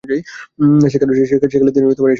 সেকালের দিনে এসব কাজ নিন্দনীয় ছিল।